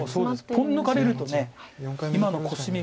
ポン抜かれると今のコスミが。